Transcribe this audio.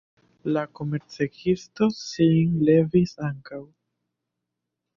La komercegisto sin levis ankaŭ.